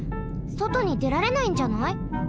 そとにでられないんじゃない？